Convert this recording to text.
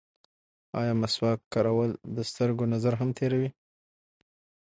ایا مسواک کارول د سترګو نظر هم تېروي؟